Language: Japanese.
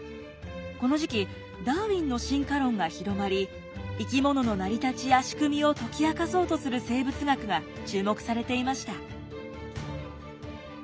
この時期ダーウィンの進化論が広まり生き物の成り立ちや仕組みを解き明かそうとする生物学が注目されていました。